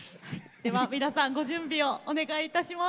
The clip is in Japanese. では皆さんご準備をお願いいたします。